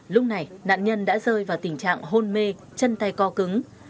lúc này nạn nhân đã rơi vào tình trạng hôn mê chân tay co cứng